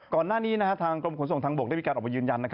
ก่อนหน้านี้ทางกรมขนส่งทางบกได้มีการออกมายืนยัน